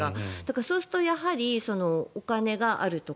そうするとお金があるとか